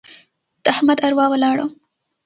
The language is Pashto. د احمد اروا ولاړه.